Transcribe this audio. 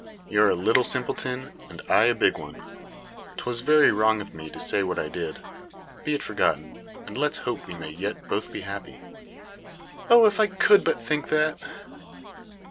You're a little simpleton, and I a big one. 'Twas very wrong of me to say what I did. Be it forgotten, and let's hope we may yet both be happy." "Oh, if I could but think that!"